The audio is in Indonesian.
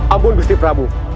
ampun gusti prabu